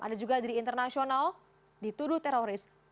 ada juga di internasional dituduh teroris